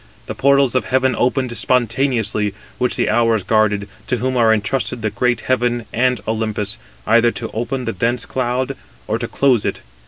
The portals of heaven opened spontaneously, which the Hours 284 guarded, to whom are intrusted the great heaven and Olympus, either to open the dense cloud, or to close it.